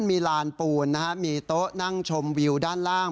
มีลานปูนมีโต๊ะนั่งชมวิวด้านล่าง